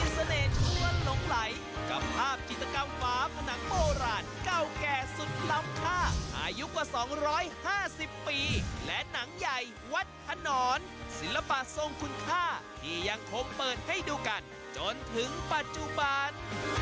ศิลปะทรงคุณค่าที่ยังคงเปิดให้ดูกันจนถึงปัจจุบัน